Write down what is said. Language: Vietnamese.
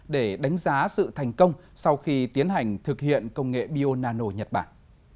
để đánh giá sự thành công sau khi tiến hành thực hiện công nghệ bio nano nhật bản